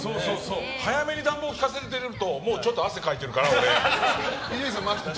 早めに暖房利かせてるともうちょっと汗かいてるから。